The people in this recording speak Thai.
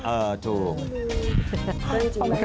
เออถูก